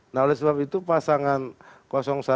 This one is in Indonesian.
nah oleh sebab itu pasangan satu